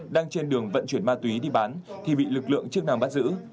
đang trên đường vận chuyển ma túy đi bán thì bị lực lượng chức năng bắt giữ